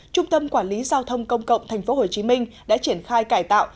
trung tâm quản lý giao thông công cộng tp hcm đã triển khai cải tạo